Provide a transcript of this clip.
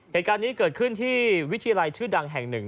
เหตุการณ์นี้เกิดขึ้นที่วิทยาลัยชื่อดังแห่งหนึ่ง